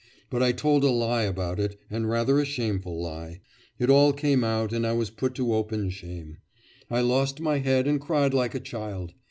But I told a lie about it, and rather a shameful lie. It all came out, and I was put to open shame. I lost my head and cried like a child.